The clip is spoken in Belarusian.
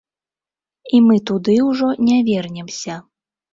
І мы туды ўжо не вернемся.